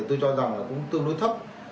tôi cho rằng cũng tương đối thấp